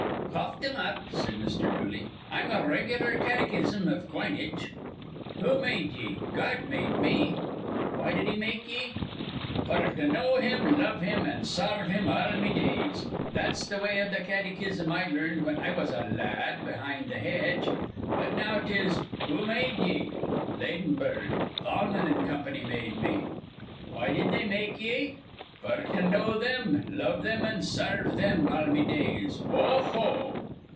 "Cough thim up," said Mr. Dooley. "I'm a reg'lar caddychism iv coinage. Who made ye? Gawd made me. Why did he make ye? F'r to know Him, love Him, an' sarve Him all me days. That's th' way iv th' caddychism I learned whin I was a la ad behind a hedge; but now 'tis: Who made ye? Ladenburg, Thalman an' Comp'ny made me. Why did they make ye? F'r to know thim, love thim, an' sarve thim all me days. O ho!"